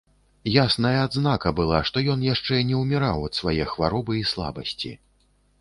Ясная адзнака была, што ён яшчэ не ўміраў ад свае хваробы і слабасці.